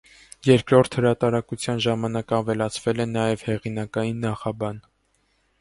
Երկրորդ հրատարակության ժամանակ ավելացվել է նաև հեղինակային նախաբան։